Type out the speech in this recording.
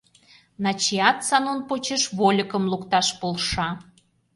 Начиат Санун почеш вольыкым лукташ полша.